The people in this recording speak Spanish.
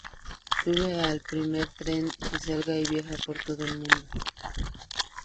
Sube al primer tren que salga y viaja por todo el mundo.